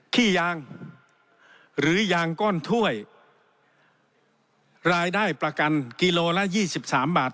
ขี้ยางหรือยางก้อนถ้วยรายได้ประกันกิโลละยี่สิบสามบาท